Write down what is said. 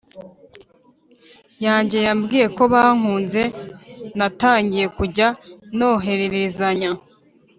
yanjye yambwiye ko bankunze Natangiye kujya nohererezanya